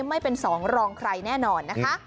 ไม่เป็นสองรองใครแน่นอนนะคะ